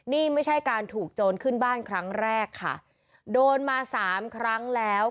นี่ไม่ใช่การถูกโจรขึ้นบ้านครั้งแรกค่ะโดนมาสามครั้งแล้ว